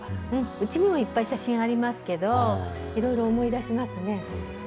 うちにもいっぱい写真ありますけど、いろいろ思い出しますね。